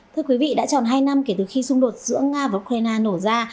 thưa quý vị đã tròn hai năm kể từ khi xung đột giữa nga và ukraine nổ ra